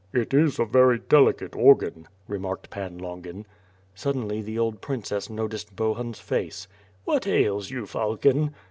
"It is a very delicate organ," remarked Pan Longin. Suddenly the old princess noticed Bohun's face. "What ails you, falcon?"